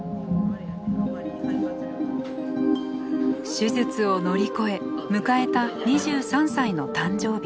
手術を乗り越え迎えた２３歳の誕生日。